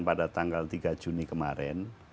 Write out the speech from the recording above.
pada tanggal tiga juni kemarin